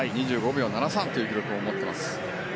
２５秒７３という記録を持っています。